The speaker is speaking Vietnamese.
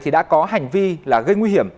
đã có hành vi gây nguy hiểm